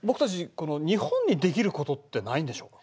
この日本にできることってないんでしょうか？